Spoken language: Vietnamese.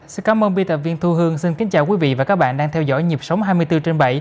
xin cảm ơn biên tập viên thu hương xin kính chào quý vị và các bạn đang theo dõi nhịp sống hai mươi bốn trên bảy